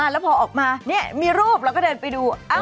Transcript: แล้วพอออกมามีรูปเราก็เดินไปดู